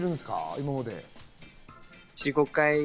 今まで。